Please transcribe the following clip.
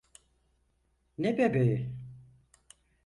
Ne bebeği?